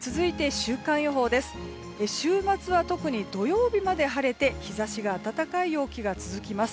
週末は特に土曜日まで晴れて日差しが暖かい陽気が続きます。